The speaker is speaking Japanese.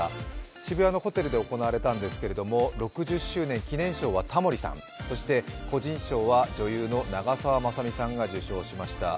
渋谷のホテルで行われたんですけれども６０周年記念賞はタモリさんそして個人賞は女優の長澤まさみさんが受賞しました。